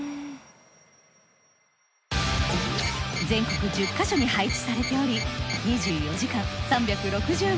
全国１０ヵ所に配置されており２４時間３６５日